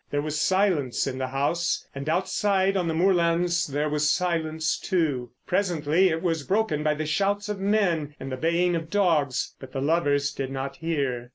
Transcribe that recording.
There was silence in the house, and outside on the moorlands there was silence, too. Presently it was broken by the shouts of men and the baying of dogs. But the lovers did not hear.